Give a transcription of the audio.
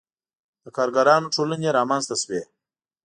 • د کارګرانو ټولنې رامنځته شوې.